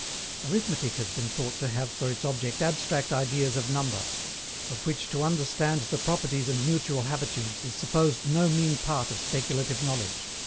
Arithmetic has been thought to have for its object abstract ideas of Number; of which to understand the properties and mutual habitudes, is supposed no mean part of speculative knowledge.